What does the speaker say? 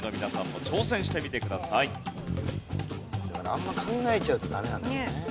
あんま考えちゃうとダメなんだろうね。